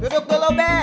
duduk dulu ben